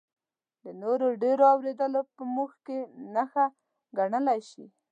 د نورو ډېر اورېدل په موږ کې نښه ګڼلی شي.